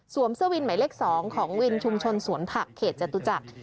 เสื้อวินหมายเลข๒ของวินชุมชนสวนผักเขตจตุจักร